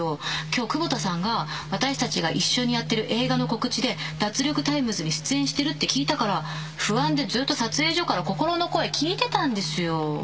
今日窪田さんが私たちが一緒にやってる映画の告知で『脱力タイムズ』に出演してるって聞いたから不安でずーっと撮影所から心の声聞いてたんですよ